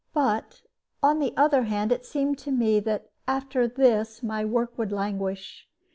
But, on the other hand, it seemed to me that after this my work would languish.